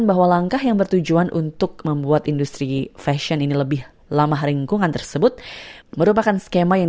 sekarang kita menerima informasi dari seluruh dunia dan dari berbagai sumber